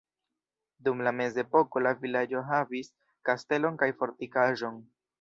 Dum la mezepoko la vilaĝo havis kastelon kaj fortikaĵon.